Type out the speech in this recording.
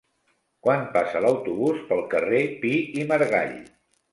Quan passa l'autobús pel carrer Pi i Margall?